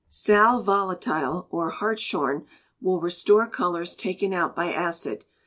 Sal Volatile or hartshorn will restore colours taken out by acid.